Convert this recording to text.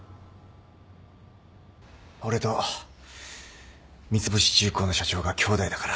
俺と三ツ星重工の社長が兄弟だから。